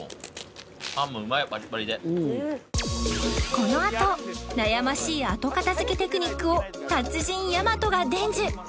このあと悩ましい後片付けテクニックを達人大和が伝授